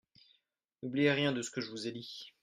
N'oubliez rien de ce que je vous ai dit.